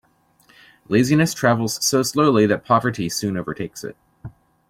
Laziness travels so slowly that poverty soon overtakes it.